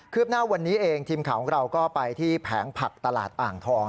หน้าวันนี้เองทีมข่าวของเราก็ไปที่แผงผักตลาดอ่างทอง